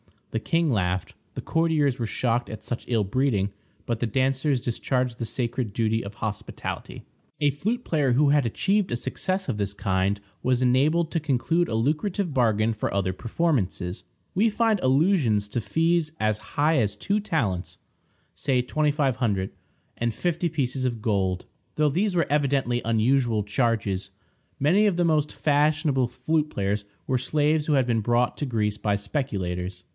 The king laughed; the courtiers were shocked at such ill breeding, but the dancers discharged the sacred duty of hospitality. A flute player who had achieved a success of this kind was enabled to conclude a lucrative bargain for other performances. We find allusions to fees as high as two talents (say $2500) and fifty pieces of gold, though these were evidently unusual charges. Many of the most fashionable flute players were slaves who had been brought to Greece by speculators.